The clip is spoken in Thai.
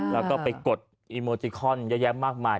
แล้วก็ไปกดอีโมติคอนเยอะแยะมากมาย